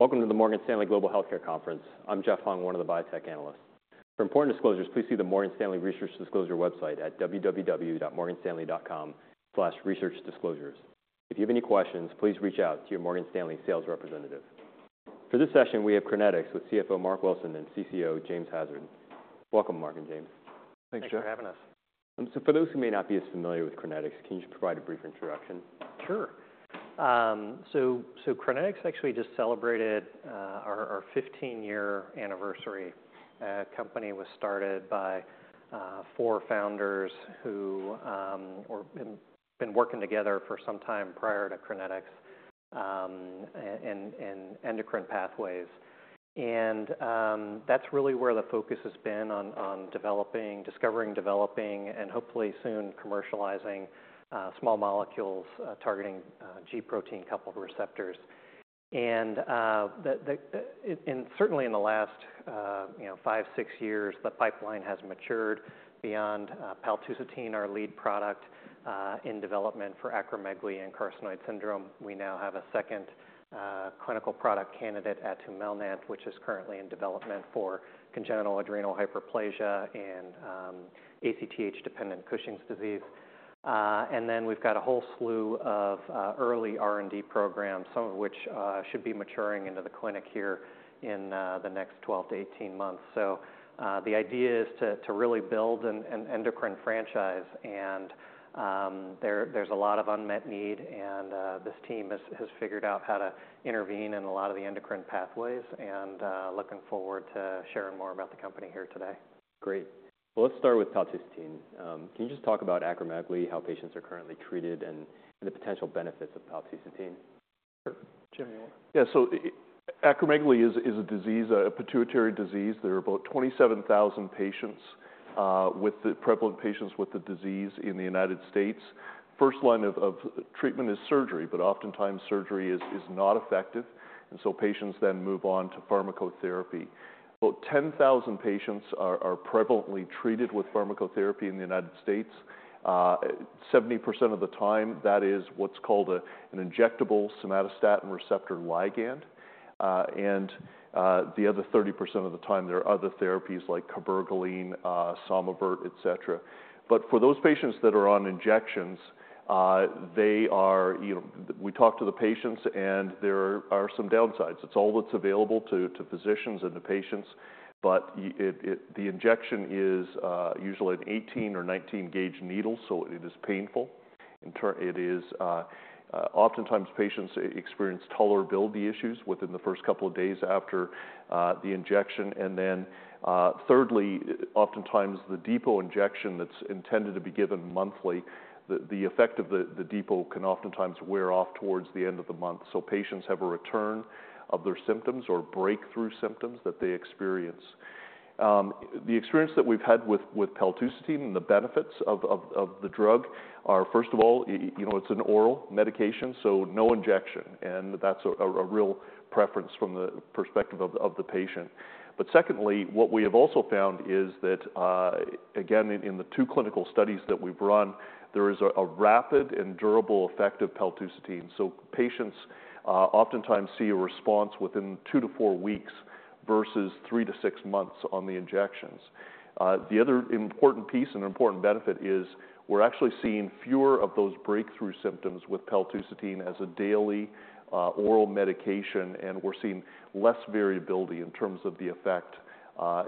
Welcome to the Morgan Stanley Global Healthcare Conference. I'm Jeff Hung, one of the biotech analysts. For important disclosures, please see the Morgan Stanley Research Disclosure website at www.morganstanley.com/researchdisclosures. If you have any questions, please reach out to your Morgan Stanley sales representative. For this session, we have Crinetics with CFO Marc Wilson and CCO James Hassard. Welcome, Marc and James. Thanks, Jeff. Thanks for having us. So for those who may not be as familiar with Crinetics, can you just provide a brief introduction? Sure. So, Crinetics actually just celebrated our 15-year anniversary. Company was started by four founders who had been working together for some time prior to Crinetics, and endocrine pathways. And, that's really where the focus has been on discovering, developing, and hopefully soon commercializing small molecules targeting G-protein coupled receptors. And certainly in the last, you know, five, six years, the pipeline has matured beyond paltusotine, our lead product in development for acromegaly and carcinoid syndrome. We now have a second clinical product candidate, atumelnant, which is currently in development for congenital adrenal hyperplasia and ACTH-dependent Cushing's disease. And then we've got a whole slew of early R&D programs, some of which should be maturing into the clinic here in the next 12 to 18 months. The idea is to really build an endocrine franchise, and there's a lot of unmet need, and this team has figured out how to intervene in a lot of the endocrine pathways, and looking forward to sharing more about the company here today. Great. Well, let's start with paltusotine. Can you just talk about acromegaly, how patients are currently treated, and the potential benefits of paltusotine? Sure. Jim, you want- Yeah, so acromegaly is a disease, a pituitary disease. There are about 27,000 prevalent patients with the disease in the United States. First line of treatment is surgery, but oftentimes surgery is not effective, and so patients then move on to pharmacotherapy. About 10,000 patients are prevalently treated with pharmacotherapy in the United States. 70% of the time, that is what's called an injectable somatostatin receptor ligand. And the other 30% of the time, there are other therapies like cabergoline, SOMAVERT, et cetera. But for those patients that are on injections, they are, you know. We talk to the patients, and there are some downsides. It's all that's available to physicians and the patients, but it, the injection is usually an 18 or 19 gauge needle, so it is painful. In turn, it is oftentimes patients experience tolerability issues within the first couple of days after the injection, and then, thirdly, oftentimes the depot injection that's intended to be given monthly, the effect of the depot can oftentimes wear off towards the end of the month, so patients have a return of their symptoms or breakthrough symptoms that they experience. The experience that we've had with paltusotine and the benefits of the drug are, first of all, you know, it's an oral medication, so no injection, and that's a real preference from the perspective of the patient. But secondly, what we have also found is that, again, in the two clinical studies that we've run, there is a rapid and durable effect of paltusotine. So patients, oftentimes see a response within two to four weeks versus three to six months on the injections. The other important piece and important benefit is we're actually seeing fewer of those breakthrough symptoms with paltusotine as a daily, oral medication, and we're seeing less variability in terms of the effect,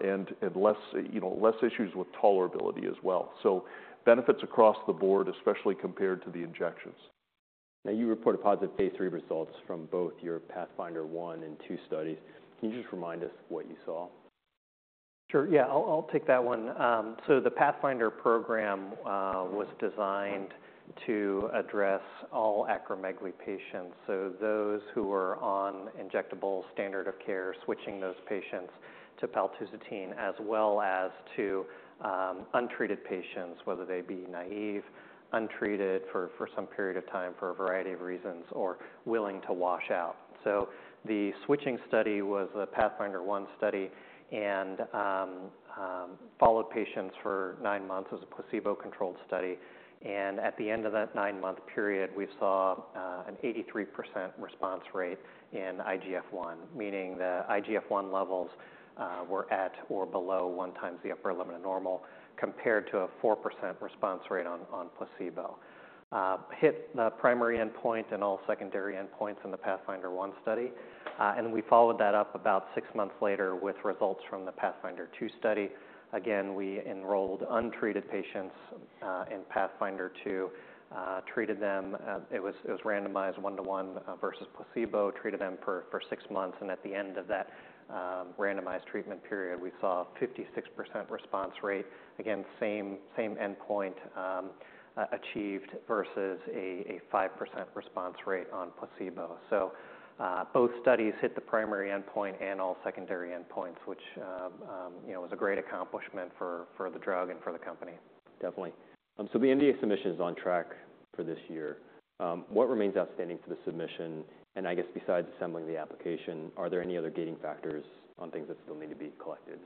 and less, you know, less issues with tolerability as well. So benefits across the board, especially compared to the injections. Now, you report a positive phase III results from both your PATHFNDR-1 and -2 studies. Can you just remind us what you saw? Sure. Yeah, I'll take that one. So the PATHFNDR program was designed to address all acromegaly patients, so those who were on injectable standard of care, switching those patients to paltusotine, as well as to untreated patients, whether they be naive, untreated for some period of time, for a variety of reasons, or willing to wash out. So the switching study was a PATHFNDR-1 study and followed patients for nine months. It was a placebo-controlled study, and at the end of that nine-month period, we saw an 83% response rate in IGF-1, meaning the IGF-1 levels were at or below one times the upper limit of normal, compared to a 4% response rate on placebo. Hit the primary endpoint and all secondary endpoints in the PATHFNDR-1 study. And we followed that up about six months later with results from the PATHFNDR-2 study. Again, we enrolled untreated patients in PATHFNDR-2, treated them. It was randomized one to one versus placebo, treated them for six months, and at the end of that randomized treatment period, we saw a 56% response rate. Again, same endpoint achieved versus a 5% response rate on placebo. So both studies hit the primary endpoint and all secondary endpoints, which you know was a great accomplishment for the drug and for the company. Definitely. So the NDA submission is on track for this year. What remains outstanding for the submission? And I guess besides assembling the application, are there any other gating factors on things that still need to be collected?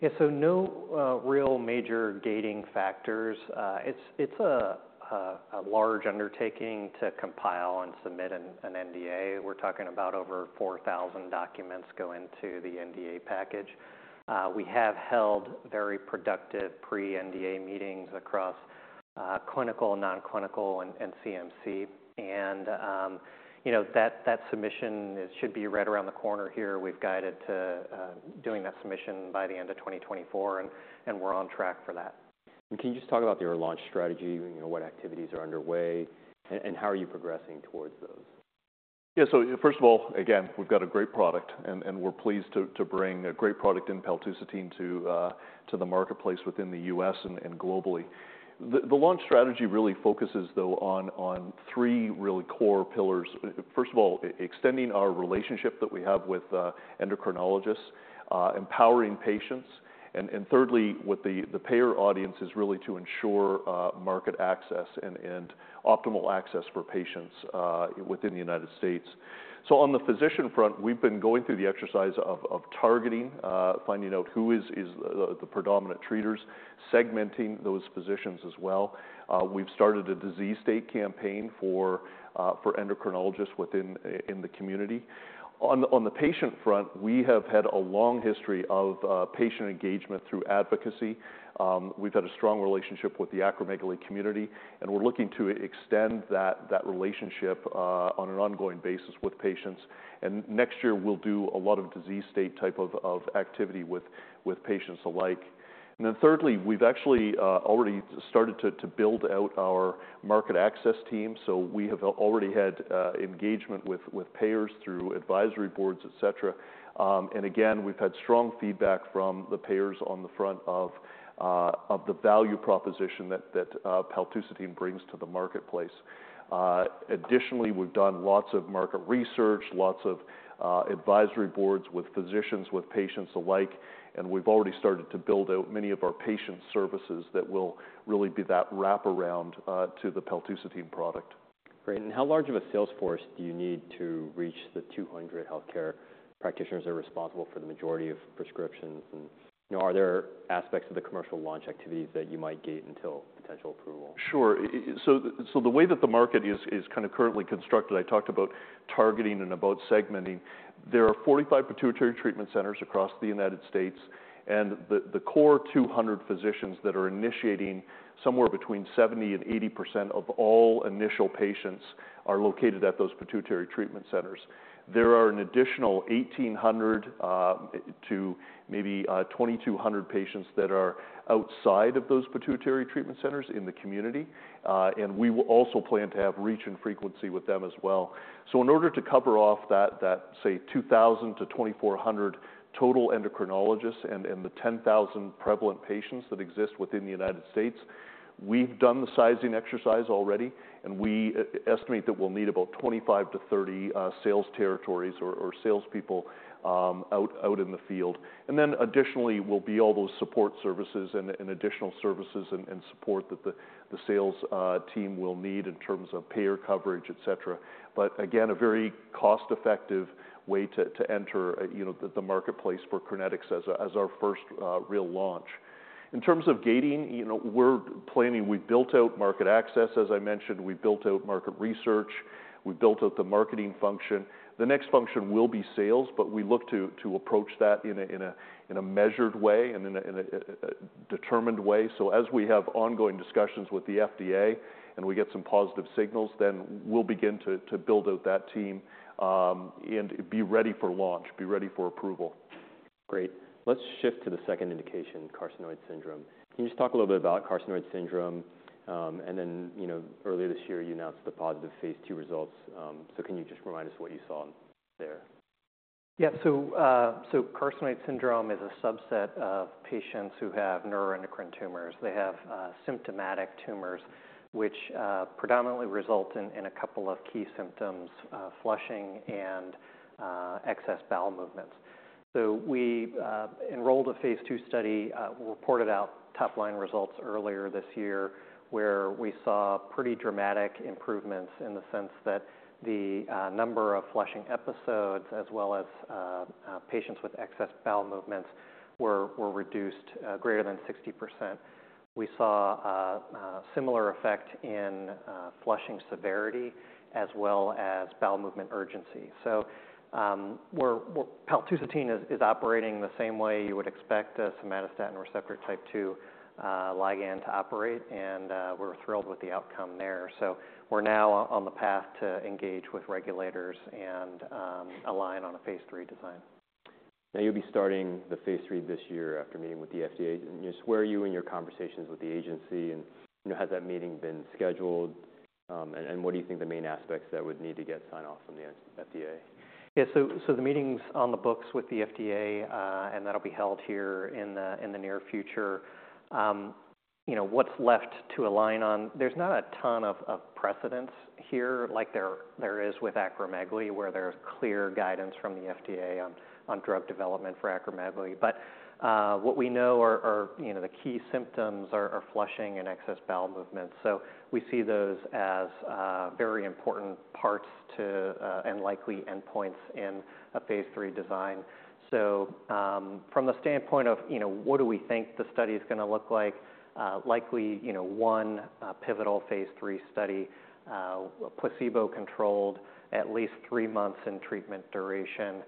Yeah, so no real major gating factors. It's a large undertaking to compile and submit an NDA. We're talking about over 4,000 documents go into the NDA package. We have held very productive pre-NDA meetings across clinical, non-clinical and CMC, and you know, that submission should be right around the corner here. We've guided to doing that submission by the end of 2024, and we're on track for that. Can you just talk about your launch strategy? You know, what activities are underway, and how are you progressing towards those? Yeah. So first of all, again, we've got a great product, and we're pleased to bring a great product in paltusotine to the marketplace within the U.S. and globally. The launch strategy really focuses, though, on three really core pillars. First of all, extending our relationship that we have with endocrinologists, empowering patients, and thirdly, with the payer audience, is really to ensure market access and optimal access for patients within the United States. So on the physician front, we've been going through the exercise of targeting, finding out who is the predominant treaters, segmenting those physicians as well. We've started a disease state campaign for endocrinologists within the community. On the patient front, we have had a long history of patient engagement through advocacy. We've had a strong relationship with the acromegaly community, and we're looking to extend that relationship on an ongoing basis with patients. And next year we'll do a lot of disease state type of activity with patients alike. And then thirdly, we've actually already started to build out our market access team. So we have already had engagement with payers through advisory boards, et cetera. And again, we've had strong feedback from the payers on the front of the value proposition that paltusotine brings to the marketplace. Additionally, we've done lots of market research, lots of advisory boards with physicians, with patients alike, and we've already started to build out many of our patient services that will really be that wraparound to the paltusotine product. Great. And how large of a sales force do you need to reach the 200 healthcare practitioners that are responsible for the majority of prescriptions? And, you know, are there aspects of the commercial launch activities that you might gate until potential approval? Sure. So the way that the market is kind of currently constructed, I talked about targeting and about segmenting. There are 45 pituitary treatment centers across the United States, and the core 200 physicians that are initiating somewhere between 70% and 80% of all initial patients are located at those pituitary treatment centers. There are an additional 1,800 to maybe 2,200 patients that are outside of those pituitary treatment centers in the community, and we will also plan to have reach and frequency with them as well. In order to cover off that, say, 2,000-2,400 total endocrinologists and the 10,000 prevalent patients that exist within the United States, we've done the sizing exercise already, and we estimate that we'll need about 25-30 sales territories or salespeople out in the field. And then additionally, will be all those support services and additional services and support that the sales team will need in terms of payer coverage, et cetera. But again, a very cost-effective way to enter, you know, the marketplace for Crinetics as our first real launch. In terms of gating, you know, we're planning. We've built out market access, as I mentioned, we've built out market research, we've built out the marketing function. The next function will be sales, but we look to approach that in a measured way and in a determined way. So as we have ongoing discussions with the FDA and we get some positive signals, then we'll begin to build out that team, and be ready for launch, be ready for approval. Great. Let's shift to the second indication, carcinoid syndrome. Can you just talk a little bit about carcinoid syndrome? And then, you know, earlier this year, you announced the positive phase II results. So can you just remind us what you saw there? Yeah. So, carcinoid syndrome is a subset of patients who have neuroendocrine tumors. They have symptomatic tumors, which predominantly result in a couple of key symptoms: flushing and excess bowel movements. So we enrolled a phase II study. We reported out top line results earlier this year, where we saw pretty dramatic improvements in the sense that the number of flushing episodes, as well as patients with excess bowel movements were reduced greater than 60%. We saw a similar effect in flushing severity as well as bowel movement urgency. So, we're paltusotine is operating the same way you would expect a somatostatin receptor type two ligand to operate, and we're thrilled with the outcome there. We're now on the path to engage with regulators and align on a phase III design. Now, you'll be starting the phase III this year after meeting with the FDA. Just where are you in your conversations with the agency, and, you know, has that meeting been scheduled? And what do you think the main aspects that would need to get sign-off from the FDA? Yeah. So the meeting's on the books with the FDA, and that'll be held here in the near future. You know, what's left to align on? There's not a ton of precedent here, like there is with acromegaly, where there's clear guidance from the FDA on drug development for acromegaly. But, what we know are, you know, the key symptoms are flushing and excess bowel movements. So we see those as very important parts to and likely endpoints in a phase III design. So, from the standpoint of, you know, what do we think the study is gonna look like? Likely, you know, one pivotal phase III study, placebo-controlled, at least three months in treatment duration.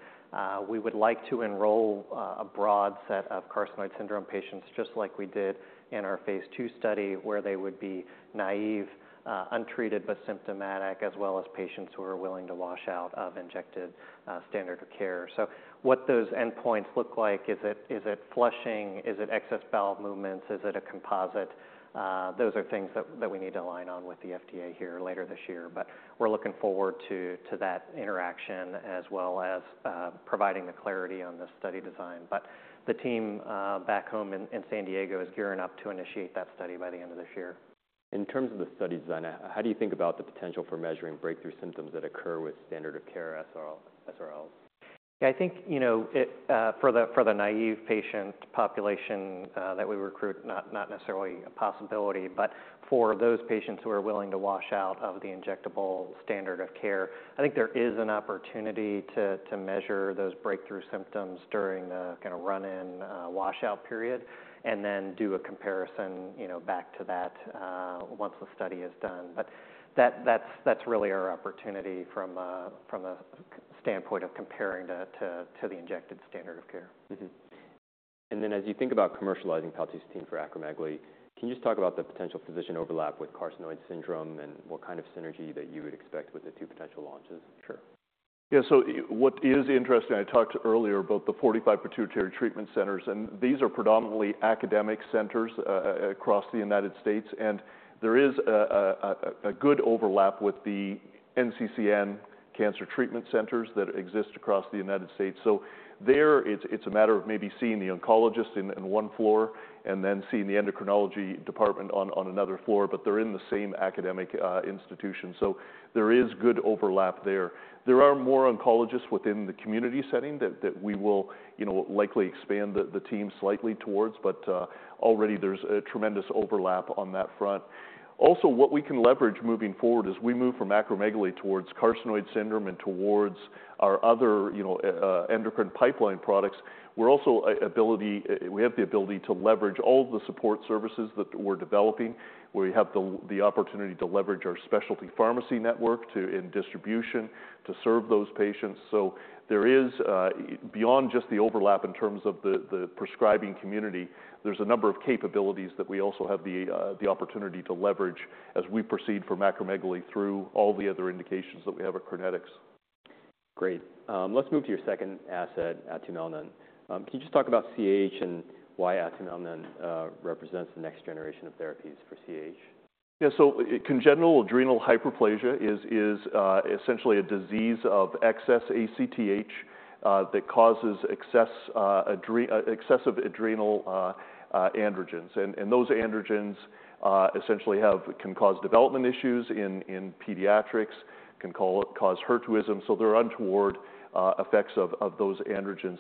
We would like to enroll a broad set of carcinoid syndrome patients, just like we did in our phase II study, where they would be naive, untreated, but symptomatic, as well as patients who are willing to wash out of injected standard of care. So what those endpoints look like is it flushing? Is it excess bowel movements? Is it a composite? Those are things that we need to align on with the FDA here later this year. But we're looking forward to that interaction, as well as providing the clarity on the study design. But the team back home in San Diego is gearing up to initiate that study by the end of this year. In terms of the study design, how do you think about the potential for measuring breakthrough symptoms that occur with standard of care SRL, SRLs? I think, you know, it for the, for the naive patient population that we recruit, not, not necessarily a possibility, but for those patients who are willing to wash out of the injectable standard of care, I think there is an opportunity to measure those breakthrough symptoms during the kinda run-in washout period, and then do a comparison, you know, back to that once the study is done. But that's really our opportunity from a standpoint of comparing that to the injected standard of care. Mm-hmm. And then, as you think about commercializing paltusotine for acromegaly, can you just talk about the potential physician overlap with carcinoid syndrome and what kind of synergy that you would expect with the two potential launches? Sure. Yeah, so what is interesting. I talked earlier about the forty-five pituitary treatment centers, and these are predominantly academic centers across the United States, and there is a good overlap with the NCCN cancer treatment centers that exist across the United States. So there it's a matter of maybe seeing the oncologist in one floor and then seeing the endocrinology department on another floor, but they're in the same academic institution. So there is good overlap there. There are more oncologists within the community setting that we will, you know, likely expand the team slightly towards, but already there's a tremendous overlap on that front. Also, what we can leverage moving forward as we move from acromegaly towards carcinoid syndrome and towards our other, you know, endocrine pipeline products, we're also an ability, we have the ability to leverage all the support services that we're developing, where we have the opportunity to leverage our specialty pharmacy network to in distribution to serve those patients. So there is beyond just the overlap in terms of the prescribing community, there's a number of capabilities that we also have the opportunity to leverage as we proceed from acromegaly through all the other indications that we have at Crinetics. Great. Let's move to your second asset, atumelnant. Can you just talk about CAH and why atumelnant represents the next generation of therapies for CAH? Yeah. So congenital adrenal hyperplasia is essentially a disease of excess ACTH that causes excess excessive adrenal androgens. And those androgens essentially can cause development issues in pediatrics, can cause hirsutism, so there are untoward effects of those androgens.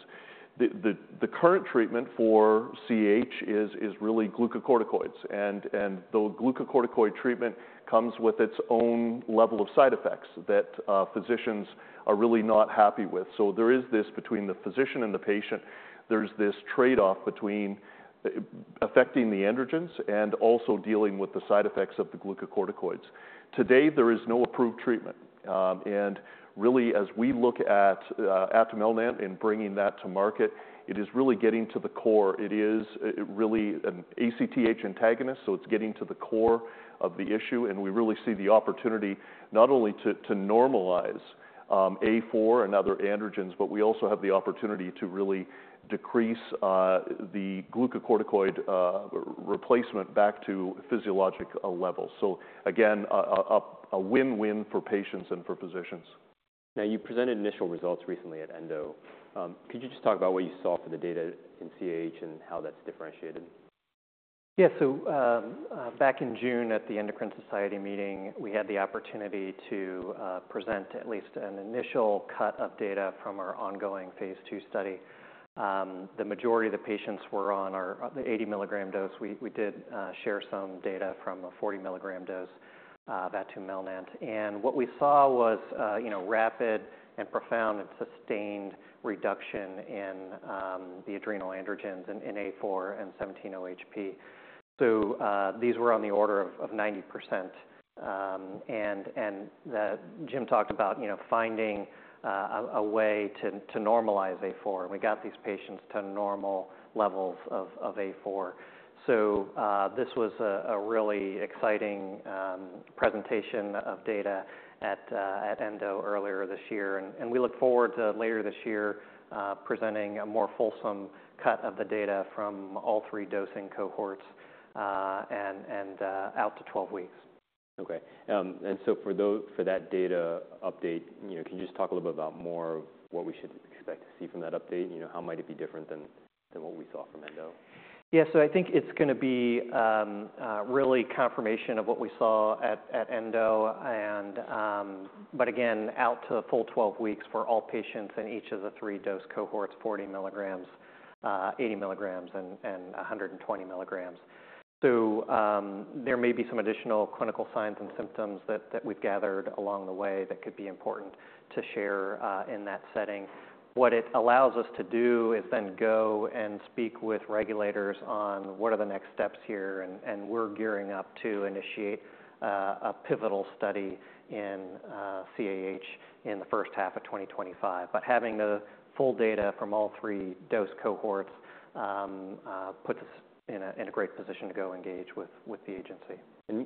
The current treatment for CAH is really glucocorticoids, and the glucocorticoid treatment comes with its own level of side effects that physicians are really not happy with. So there is this between the physician and the patient, there's this trade-off between affecting the androgens and also dealing with the side effects of the glucocorticoids. Today, there is no approved treatment. And really, as we look at atumelnant and bringing that to market, it is really getting to the core. It is really an ACTH antagonist, so it's getting to the core of the issue, and we really see the opportunity not only to normalize A4 and other androgens, but we also have the opportunity to really decrease the glucocorticoid replacement back to physiologic levels. So again, a win-win for patients and for physicians. Now, you presented initial results recently at ENDO. Could you just talk about what you saw for the data in CAH and how that's differentiated? Yeah. So, back in June, at the Endocrine Society meeting, we had the opportunity to present at least an initial cut of data from our ongoing phase II study. The majority of the patients were on our 80 milligram dose. We did share some data from a 40 milligram dose of atumelnant. And what we saw was, you know, rapid and profound, and sustained reduction in the adrenal androgens in A4 and 17-OHP. So, these were on the order of 90%. And Jim talked about, you know, finding a way to normalize A4, and we got these patients to normal levels of A4. So, this was a really exciting presentation of data at ENDO earlier this year. We look forward to, later this year, presenting a more fulsome cut of the data from all three dosing cohorts, and out to 12 weeks. Okay, and so for that data update, you know, can you just talk a little bit more about what we should expect to see from that update? You know, how might it be different than what we saw from ENDO? Yeah. So I think it's gonna be really confirmation of what we saw at ENDO. And but again, out to the full 12-weeks for all patients in each of the three dose cohorts, 40 mg, 80 mg, and 120 mg. So there may be some additional clinical signs and symptoms that we've gathered along the way that could be important to share in that setting. What it allows us to do is then go and speak with regulators on what are the next steps here, and we're gearing up to initiate a pivotal study in CAH in the first half of 2025. But having the full data from all three dose cohorts puts us in a great position to go engage with the agency.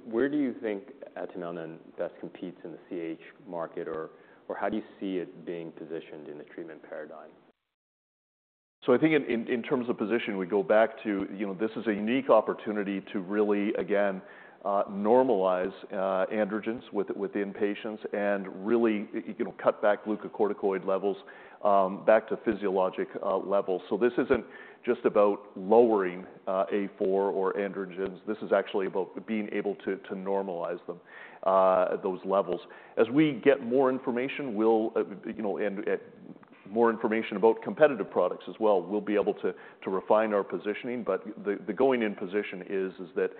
Where do you think atumelnant best competes in the CAH market, or, or how do you see it being positioned in the treatment paradigm? So I think in terms of position, we go back to, you know, this is a unique opportunity to really, again, normalize androgens within patients and really, you know, cut back glucocorticoid levels back to physiologic levels. So this isn't just about lowering A4 or androgens. This is actually about being able to normalize them at those levels. As we get more information, we'll, you know, and more information about competitive products as well, we'll be able to refine our positioning. But the going in position is that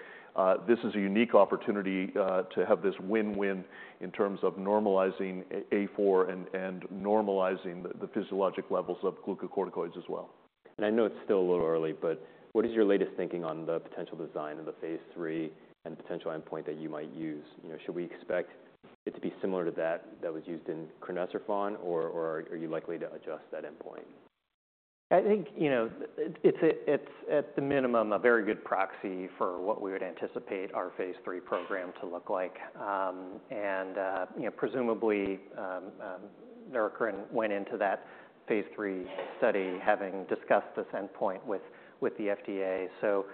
this is a unique opportunity to have this win-win in terms of normalizing A4 and normalizing the physiologic levels of glucocorticoids as well. I know it's still a little early, but what is your latest thinking on the potential design of the phase III and the potential endpoint that you might use? You know, should we expect it to be similar to that that was used in crinecerfont, or are you likely to adjust that endpoint? I think, you know, it's. It's at the minimum a very good proxy for what we would anticipate our phase III program to look like, and you know, presumably Neurocrine went into that phase III study having discussed this endpoint with, with the FDA, so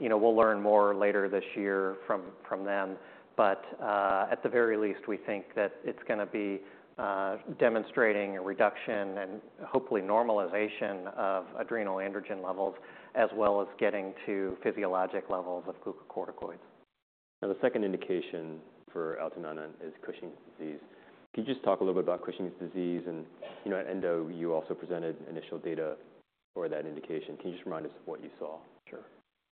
you know, we'll learn more later this year from, from them, but at the very least, we think that it's gonna be demonstrating a reduction and hopefully normalization of adrenal androgen levels, as well as getting to physiologic levels of glucocorticoids. Now, the second indication for atumelnant is Cushing's disease. Can you just talk a little bit about Cushing's disease? And, you know, at ENDO, you also presented initial data for that indication. Can you just remind us of what you saw? Sure.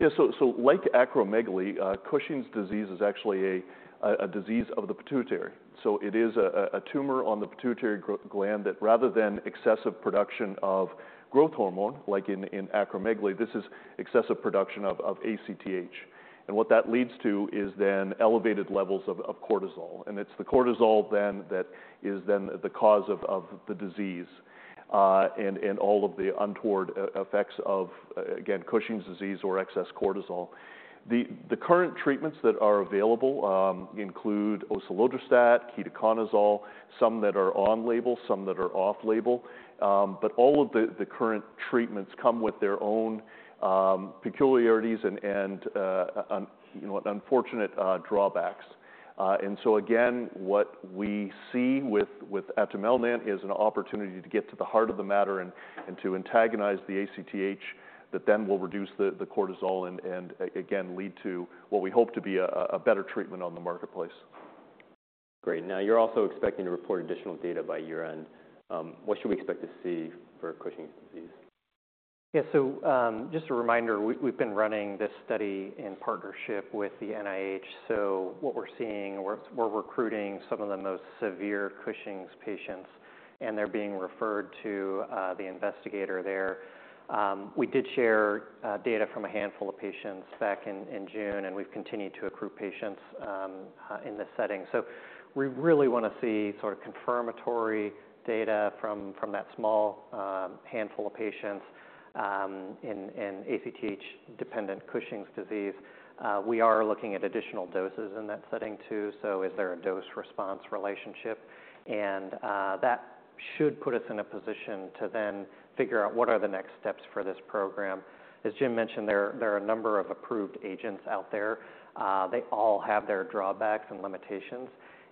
Yeah, so, so like acromegaly, Cushing's disease is actually a disease of the pituitary. So it is a tumor on the pituitary gland, that rather than excessive production of growth hormone, like in acromegaly, this is excessive production of ACTH. And what that leads to is then elevated levels of cortisol, and it's the cortisol then that is then the cause of the disease, and all of the untoward effects of, again, Cushing's disease or excess cortisol. The current treatments that are available include osilodrostat, ketoconazole, some that are on-label, some that are off-label. But all of the current treatments come with their own peculiarities and, you know, unfortunate drawbacks. And so again, what we see with atumelnant is an opportunity to get to the heart of the matter and to antagonize the ACTH that then will reduce the cortisol and again lead to what we hope to be a better treatment on the marketplace. Great. Now, you're also expecting to report additional data by year-end. What should we expect to see for Cushing's disease? Yeah. So, just a reminder, we've been running this study in partnership with the NIH. So what we're seeing, we're recruiting some of the most severe Cushing's patients, and they're being referred to the investigator there. We did share data from a handful of patients back in June, and we've continued to accrue patients in this setting. So we really wanna see sort of confirmatory data from that small handful of patients in ACTH-dependent Cushing's disease. We are looking at additional doses in that setting too. So is there a dose-response relationship? And that should put us in a position to then figure out what are the next steps for this program. As Jim mentioned, there are a number of approved agents out there. They all have their drawbacks and limitations.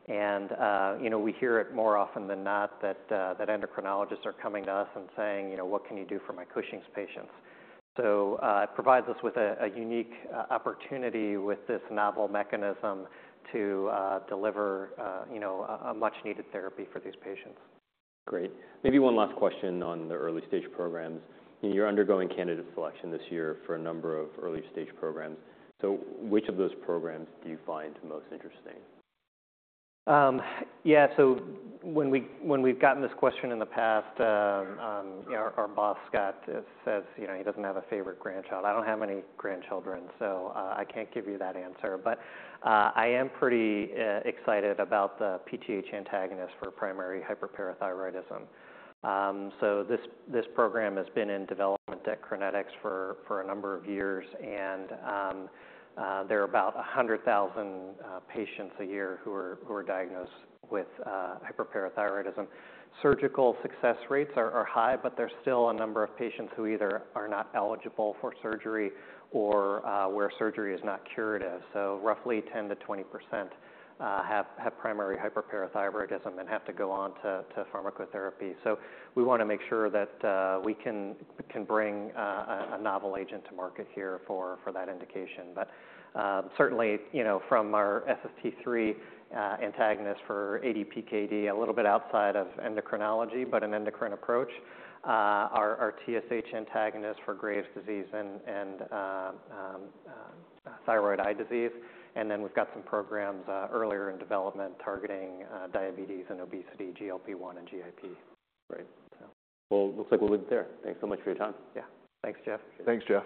You know, we hear it more often than not that endocrinologists are coming to us and saying: "You know, what can you do for my Cushing's patients?" So, it provides us with a unique opportunity with this novel mechanism to deliver, you know, a much-needed therapy for these patients. Great. Maybe one last question on the early stage programs. You're undergoing candidate selection this year for a number of early stage programs. So which of those programs do you find most interesting? Yeah, so when we've gotten this question in the past, you know, our boss, Scott, says, you know, he doesn't have a favorite grandchild. I don't have any grandchildren, so I can't give you that answer, but I am pretty excited about the PTH antagonist for primary hyperparathyroidism. This program has been in development at Crinetics for a number of years, and there are about 100,000 patients a year who are diagnosed with hyperparathyroidism. Surgical success rates are high, but there's still a number of patients who either are not eligible for surgery or where surgery is not curative. Roughly 10%-20% have primary hyperparathyroidism and have to go on to pharmacotherapy. So we wanna make sure that we can bring a novel agent to market here for that indication. But certainly, you know, from our SST3 antagonist for ADPKD, a little bit outside of endocrinology, but an endocrine approach, our TSH antagonist for Graves' disease and thyroid eye disease. And then we've got some programs earlier in development targeting diabetes and obesity, GLP-1 and GIP. Great, so looks like we'll end there. Thanks so much for your time. Yeah. Thanks, Jeff. Thanks, Jeff.